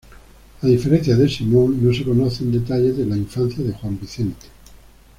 A diferencia de Simón, no se conocen detalles de la infancia de Juan Vicente.